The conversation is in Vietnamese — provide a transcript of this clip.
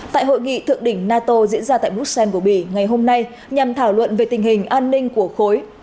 tại hội nghị thượng đỉnh nato diễn ra tại bruxelles của bỉ ngày hôm nay nhằm thảo luận về tình hình an ninh của khối